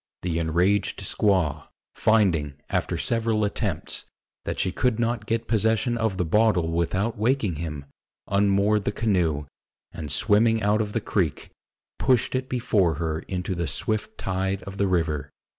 The enraged squaw, finding, after several attempts, that she could not get possession of the bottle without waking him, unmoored the canoe, and swimming out of the creek, pushed it before her into the swift tide of the river.